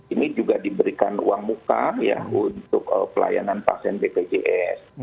ini juga diberikan uang muka ya untuk pelayanan pasien bpjs